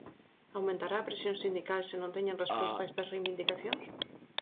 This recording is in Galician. Aumentará a presión sindical se non teñen resposta estas reivindicacións?